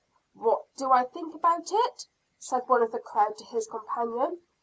"What do I think about it?" said one of the crowd to his companion.